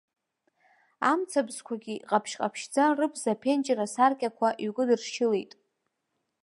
Амцабзқәагьы, иҟаԥшь-ҟаԥшьӡа рыбз аԥенџьыр асаркьақәа иҩкыдыршьылеит.